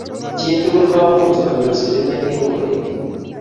chitokol komuch konyoru sitimet en korenyii